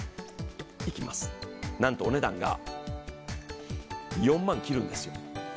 いきます、なんとお値段が４万切るんですよ。